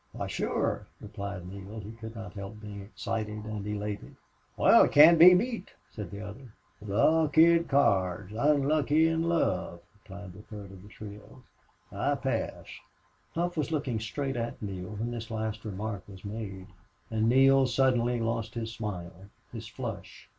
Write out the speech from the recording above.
"Why, sure," replied Neale. He could not help being excited and elated. "Well, he can't be beat," said the other. "Lucky at cards, unlucky in love," remarked the third of the trio. "I pass." Hough was looking straight at Neale when this last remark was made. And Neale suddenly lost his smile, his flush.